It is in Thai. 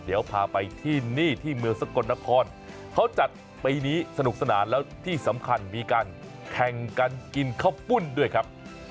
เดี๋ยวพาไปที่นี่ที่เมืองสกลนครเขาจัดปีนี้สนุกสนานแล้วที่สำคัญมีการแข่งกันกินข้าวปุ้นด้วยครับ